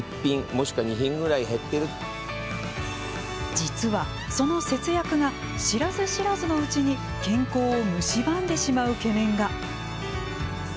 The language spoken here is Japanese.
実は、その節約が知らず知らずのうちに健康をむしばんでしまう懸念が。